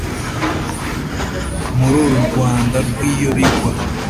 muri uru rwanda rw’iyo bigwa